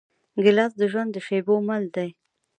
ګیلاس د ژوند د شېبو مل دی.